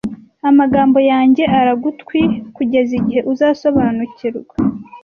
Amagambo yanjye aragutwi kugeza igihe uzasobanukirwa.